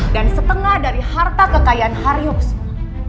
dan semua orang secara sasar menanggapi kami